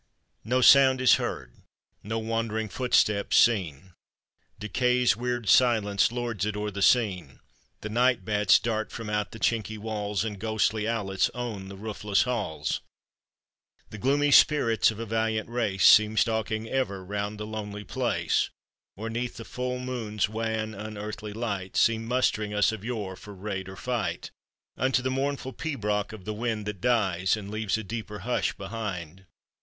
No sound is heard, no wandering footstep seen, Decay's weird silence lords it o'er the scene; The night bats dart from out the chinky walls, And ghostly owlets own the roofless halls ; The gloomy spirits of a valiant race Seem stalking ever round the lonely place, Or 'neath the full moon's wan, unearthly light. Seem mustering as of yore for raid or fight, Unto the mournful pibroch of the wind, That dies, and leaves a deeper hush behind.